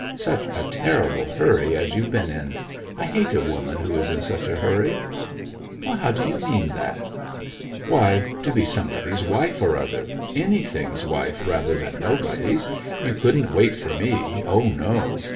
Such a terrible hurry as you've been in. I hate a woman who is in such a hurry.' 'How do you mean that?' 'Why to be somebody's wife or other anything's wife rather than nobody's. You couldn't wait for me, O, no.